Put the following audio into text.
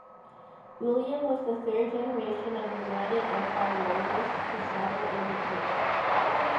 William was the third generation of United Empire Loyalists to settle in York.